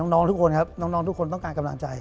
น้องทุกคนต้องการกำลังใจ